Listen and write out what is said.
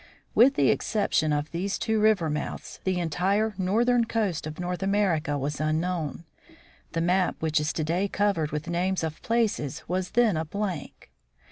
With the exception of these two river mouths, the entire northern coast'of North America was unknown. The map which is to day covered with names of places, was then a blank.